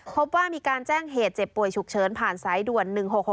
พบว่ามีการแจ้งเหตุเจ็บป่วยฉุกเฉินผ่านสายด่วน๑๖๖